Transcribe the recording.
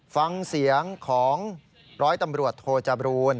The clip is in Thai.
ฟังเสียงของร้อยตำรวจโทจบรูน